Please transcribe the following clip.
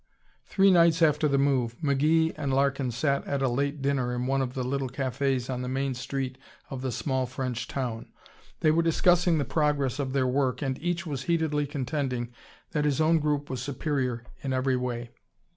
Three nights after the move McGee and Larkin sat at a late dinner in one of the little cafés on the main street of the small French town. They were discussing the progress of their work and each was heatedly contending that his own group was superior in every way.